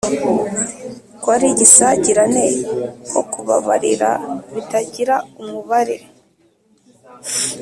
ko ari igisagirane, ko kubabarira bitagira umubare.